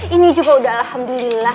ini juga udah alhamdulillah